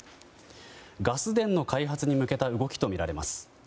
ガス田の開発に向けた動きとみられます。